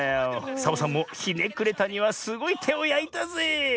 サボさんもひねくれたにはすごいてをやいたぜえ。